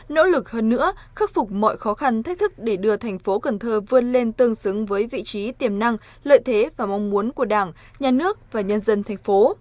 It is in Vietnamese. nỗ lực hơn nữa khắc phục mọi khó khăn thách thức để đưa thành phố cần thơ vươn lên tương xứng với vị trí tiềm năng lợi thế và mong muốn của đảng nhà nước và nhân dân thành phố